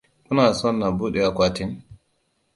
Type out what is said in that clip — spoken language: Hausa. Kuna son na buɗe akwatin?